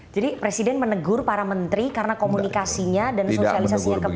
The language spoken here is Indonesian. jadi presiden menegur para menteri karena komunikasinya dan sosialisasinya ke publik kurang